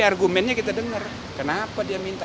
argumennya kita dengar kenapa dia minta